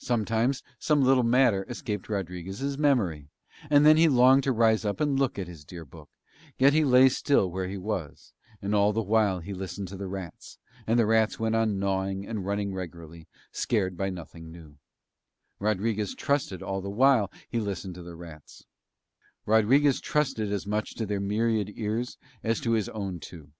Sometimes some little matter escaped Rodriguez's memory and then he longed to rise up and look at his dear book, yet he lay still where he was: and all the while he listened to the rats, and the rats went on gnawing and running regularly, scared by nothing new; Rodriguez trusted as much to their myriad ears as to his own two.